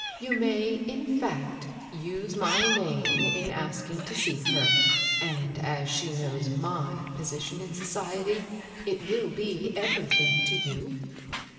You may, in fact, use my name in asking to see her, and as she knows my position in society, it will be everything to you."